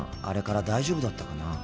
あれから大丈夫だったかな。